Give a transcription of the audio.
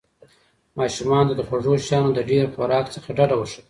ماشومانو ته د خوږو شیانو د ډېر خوراک څخه ډډه وښایئ.